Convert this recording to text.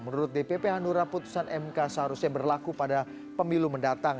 menurut dpp hanura putusan mk seharusnya berlaku pada pemilu mendatang